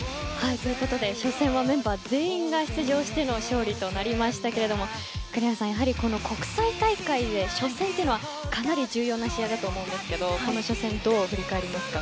ということで初戦はメンバー全員が出場しての勝利となりましたけれども栗原さん、やはりこの国際大会で初戦というのはかなり重要な試合だと思いますがこの初戦どう振り返りますか。